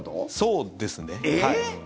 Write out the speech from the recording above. そうですね、はい。